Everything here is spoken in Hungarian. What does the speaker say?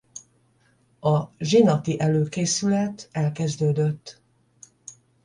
A zsinati előkészület elkezdődött.